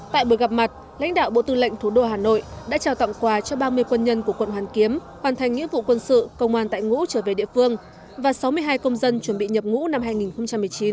tại buổi gặp mặt lãnh đạo bộ tư lệnh thủ đô hà nội đã trao tặng quà cho ba mươi quân nhân của quận hoàn kiếm hoàn thành nghĩa vụ quân sự công an tại ngũ trở về địa phương và sáu mươi hai công dân chuẩn bị nhập ngũ năm hai nghìn một mươi chín